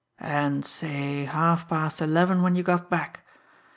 "And, say, halfpast eleven when you got back.